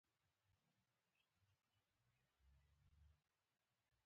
انا د کورنۍ دعا کوونکې ده